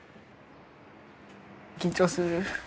緊張する。